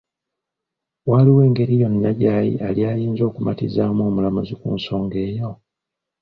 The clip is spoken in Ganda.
Waaliwo ngeri yonna gye yali ayinza kumatizaamu omulamuzi ku nsonga eyo?